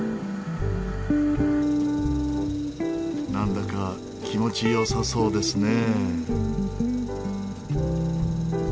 なんだか気持ち良さそうですね。